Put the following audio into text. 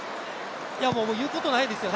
言うことないですよね